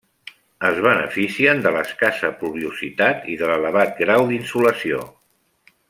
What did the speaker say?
Es beneficien de l'escassa pluviositat i de l'elevat grau d'insolació.